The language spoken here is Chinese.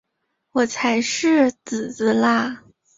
我才是姊姊啦！